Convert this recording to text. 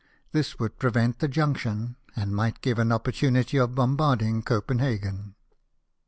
This would prevent the junction, and might give an opportunity of bombarding Copenhagen.